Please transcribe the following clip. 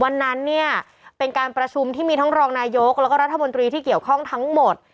วันนั้นเนี่ยเป็นการประชุมที่มีทั้งรองนายกแล้วก็รัฐมนตรีที่เกี่ยวข้องทั้งหมด